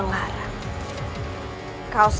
jangan sampai mendatangkannya